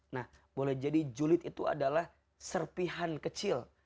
nah boleh jadi julid itu adalah serpihan kecil